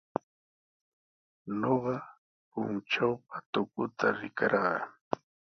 Ñuqa puntrawpa tukuta rikarqaa.